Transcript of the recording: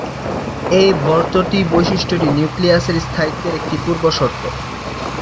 এই ভর ত্রুটি বৈশিষ্ট্যটি নিউক্লিয়াসের স্থায়িত্বের একটি পূর্বশর্ত।